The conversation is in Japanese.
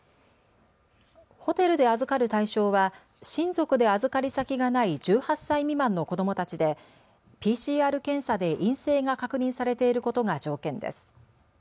ホテルで預かる対象は親族で預かり先がない１８歳未満の子どもたちでＰＣＲ検査で陰性が確認されていることが条件です。